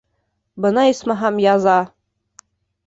— Бына, исмаһам, яза!